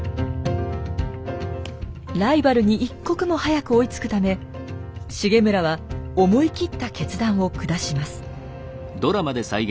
ライバルに一刻も早く追いつくため重村は思い切った決断を下します。